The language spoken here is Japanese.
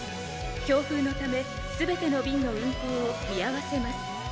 「強風のためすべての便の運航を見合わせます」